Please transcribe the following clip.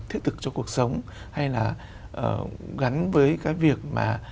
thiết thực cho cuộc sống hay là gắn với cái việc mà